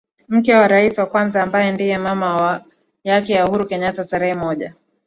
mke wa rais wa kwanza ambaye ndiye mama yake na Uhuru Kenyattatarehe moja